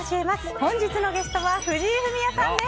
本日のゲストは藤井フミヤさんです。